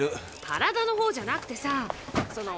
体のほうじゃなくてさその。